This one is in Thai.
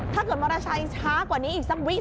ถ้าเกิดมอเตอร์ไซค์ช้ากว่านี้อีกสักวิส